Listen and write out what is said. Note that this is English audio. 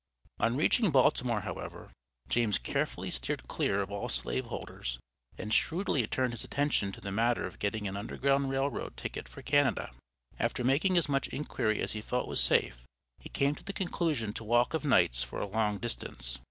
On reaching Baltimore, however, James carefully steered clear of all slave holders, and shrewdly turned his attention to the matter of getting an Underground Rail Road ticket for Canada. After making as much inquiry as he felt was safe, he came to the conclusion to walk of nights for a long distance.